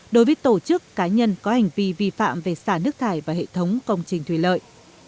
đối với tổ chức cá nhân có hành vi vi phạm về xả nước thải và hệ thống công trình thủy lợi